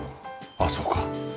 あっそうか。